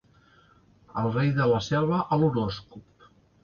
El rei de la selva a l'horòscop.